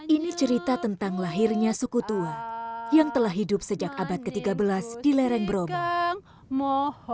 ini cerita tentang lahirnya suku tua yang telah hidup sejak abad ke tiga belas di lereng bromo